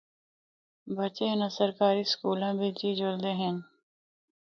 بچے اناں سرکاری سکولاں بچ ای جُلدے ہن۔